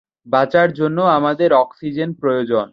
বাঁচার জন্য আমাদের অক্সিজেন প্রয়োজন।